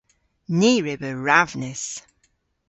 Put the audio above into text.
Ni re beu ravnys.